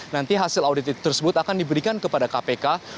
nanti hasil audit tersebut akan diberikan kepada kpk